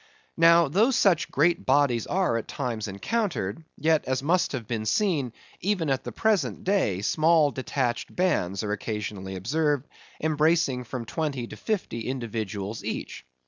Now, though such great bodies are at times encountered, yet, as must have been seen, even at the present day, small detached bands are occasionally observed, embracing from twenty to fifty individuals each.